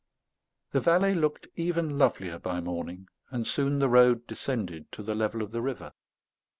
The valley looked even lovelier by morning; and soon the road descended to the level of the river.